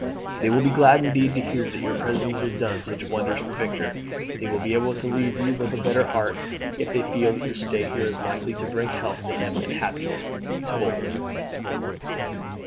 They will be glad indeed to hear that your presence has done such wonders for Victor. They will be able to leave you with a better heart if they feel that your stay here is likely to bring health to him and happiness to both of you."